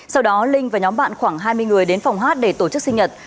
sau đó linh và nhóm bạn khoảng hai mươi người đến phòng hát để tổ chức sinh nhật